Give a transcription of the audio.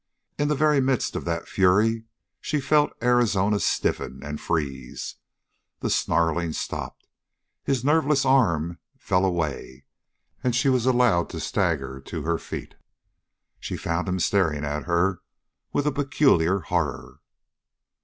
In the very midst of that fury she felt Arizona stiffen and freeze; the snarling stopped; his nerveless arm fell away, and she was allowed to stagger to her feet. She found him staring at her with a peculiar horror.